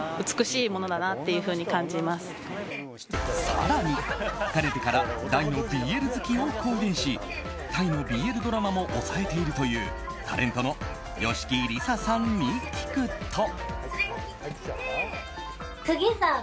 更に、かねてから大のＢＬ好きを公言しタイのＢＬドラマも押さえているというタレントの吉木りささんに聞くと。